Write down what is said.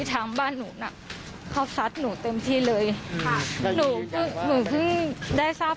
เรายืนยันว่าเราไม่ได้ทำใช่ไหมครับ